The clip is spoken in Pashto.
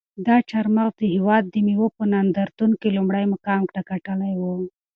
دا چهارمغز د هېواد د مېوو په نندارتون کې لومړی مقام ګټلی و.